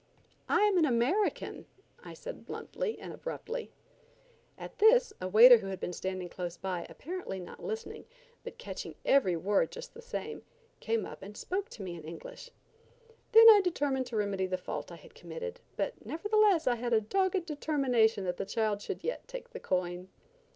"I am an American," I said bluntly and abruptly. At this a waiter who had been standing close by apparently not listening, but catching every word just the same, came up and spoke to me in English. Then I determined to remedy the fault I had committed, but nevertheless I had a dogged determination that the child should yet take the coin.